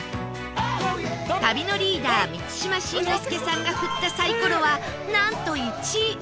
旅のリーダー満島真之介さんが振ったサイコロはなんと「１」！